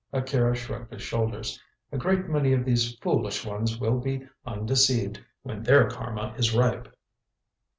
Akira shrugged his shoulders. "A great many of these foolish ones will be undeceived when their Karma is ripe."